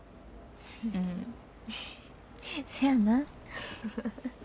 うんせやな。